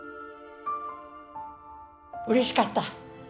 うれしかった。